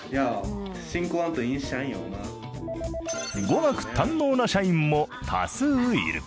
語学堪能な社員も多数いる。